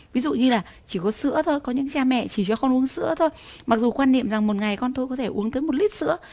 ví dụ như là chỉ có sữa thôi có những cha mẹ chỉ cho con uống sữa thôi mặc dù quan niệm rằng một ngày con tôi có thể uống tới một lít sữa